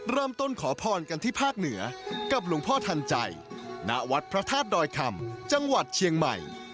เริ่มต้นขอพรกันที่ภาคเหนือกับหลวงพ่อทันใจณวัดพระธาตุดอยคำจังหวัดเชียงใหม่